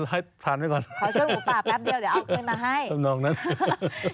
ขอช่วยหมู่ป่าแป๊บเดียวเดี๋ยวเอาเกินมาให้